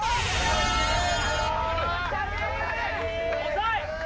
・遅い！